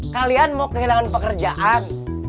kalian mau kehilangan pekerjaan